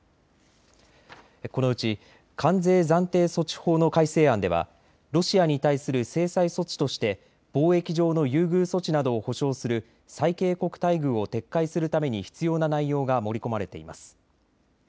このうち関税暫定措置法の改正案ではロシアに対する制裁措置として貿易上の優遇措置などを保障する最恵国待遇を撤回するために必要な内容が盛り込まれています。